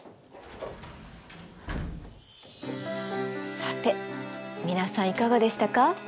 さて皆さんいかがでしたか？